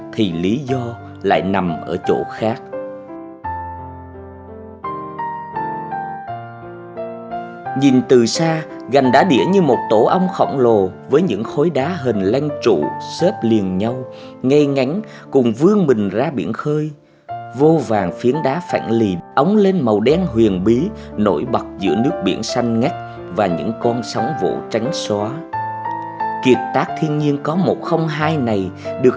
thì lý do lại nằm ở chỗ khác